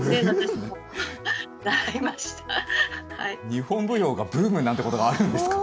日本舞踊がブームなんてことがあるんですか？